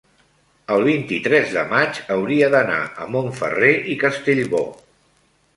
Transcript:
el vint-i-tres de maig hauria d'anar a Montferrer i Castellbò.